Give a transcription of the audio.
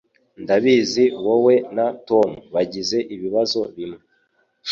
Ndabizi wowe na Tom bagize ibibazo bimwe.